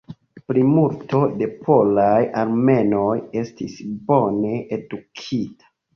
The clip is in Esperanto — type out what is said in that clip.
Plimulto de polaj armenoj estis bone edukita.